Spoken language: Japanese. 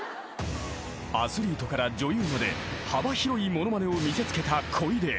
［アスリートから女優まで幅広いものまねを見せつけた小出］